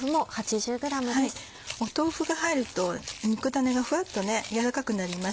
豆腐が入ると肉ダネがふわっとやわらかくなります。